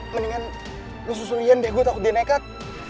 mendingan lo susul ian deh gue takut dia nekat